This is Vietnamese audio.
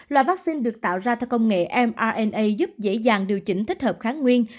loại vaccine được tạo ra theo công nghệ mrna giúp dễ dàng điều chỉnh thích hợp kháng nguyên